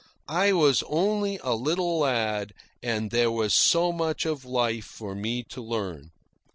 I was only a little lad, and there was so much of life for me to learn.